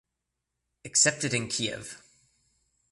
Accepted in Kyiv.